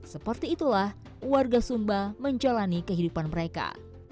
seperti itulah warga sumba menjalani kehidupan mereka